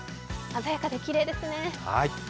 鮮やかできれいですね。